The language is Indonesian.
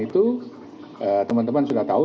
itu teman teman sudah tahu